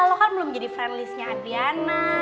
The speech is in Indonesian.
lo kan belum jadi friend listnya adriana